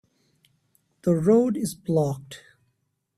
The road is blocked.